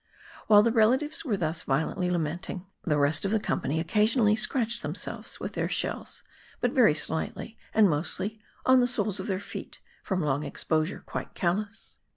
While the relatives were thus violently lamenting, the rest of the company occasionally scratched themselves with their shells ; but very slightly, and mostly on the soles of their feet ; from long exposure, quite callous.